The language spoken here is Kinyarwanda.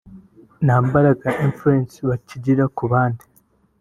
nta mbaraga (influence) bakigira ku bandi